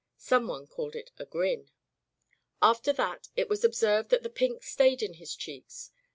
Someone called it a grin. After that it was observed that the pink stayed in his cheeks.